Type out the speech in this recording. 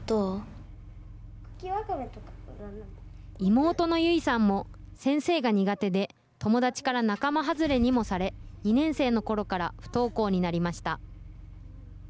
妹の結衣さんも先生が苦手で、友達から仲間外れにもされ、２年生のころから不登校になりました。